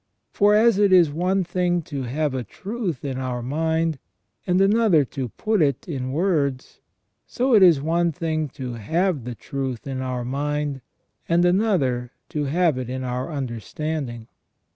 For as it is one thing to have a truth in our mind, and another to put it in words, so it is one thing to have that truth in our mind, and another to have it in our understanding.